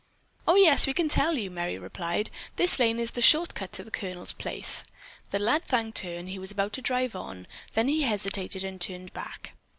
"Oh, yes, we can tell you," Merry replied. "This lane is a short cut to the Colonel's place." The lad thanked her and was about to drive on; then he hesitated and turned back.